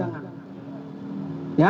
ya itu perannya